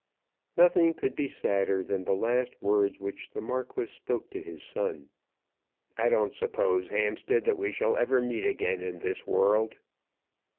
Nothing could be sadder than the last words which the Marquis spoke to his son. "I don't suppose, Hampstead, that we shall ever meet again in this world."